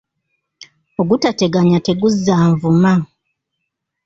Ogutateganya teguzza nvuma.